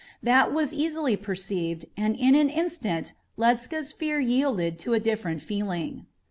That was easily perceived, and in an instant Ledscha's fear yielded to a different feeling.